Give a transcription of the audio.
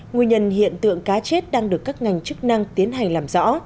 nguyên nhân hiện tượng cá chết đang được các ngành chức năng tiến hành làm rõ